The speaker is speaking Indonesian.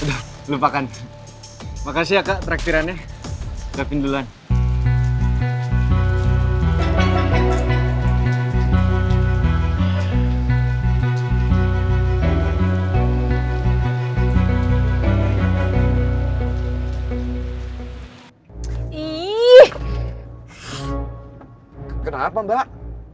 ada yang bisa saya bantu mbak